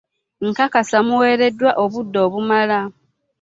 Nkakasa muweereddwa obudde obumala.